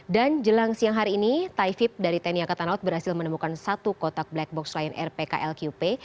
dan jelang siang hari ini tifip dari tni angkatan laut berhasil menemukan satu kotak black box lain rpklqp